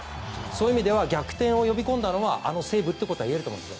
そういう意味では逆転を呼び込んだのはあのセーブとは言えると思います。